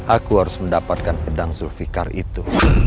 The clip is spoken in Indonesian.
aku harus mendapatkan pedang zulfikar itu